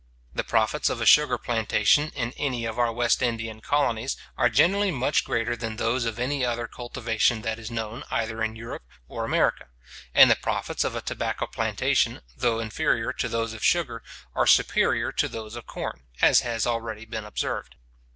The profits of a sugar plantation in any of our West Indian colonies, are generally much greater than those of any other cultivation that is known either in Europe or America; and the profits of a tobacco plantation, though inferior to those of sugar, are superior to those of corn, as has already been observed.